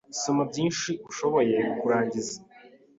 Soma byinshi ushoboye kurangiza